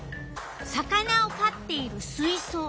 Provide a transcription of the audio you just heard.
魚をかっている水そう。